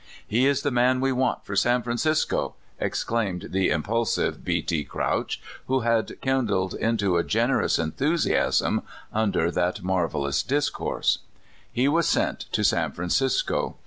" He is the man we want for San Francisco !" exclaimed the impulsive B. T. Crouch, who had kindled into a generous enthusiasm under that marvelous discourse. He was sent to San Francisco.